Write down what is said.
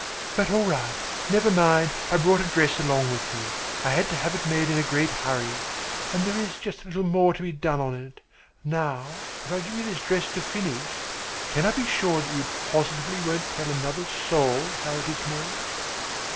But, all right, never mind. I brought a dress along with me. I had to have it made in a great hurry, and there is just a little more to be done on it. Now if I give you this dress to finish, can I be sure that you positively won't tell another soul how it is made?"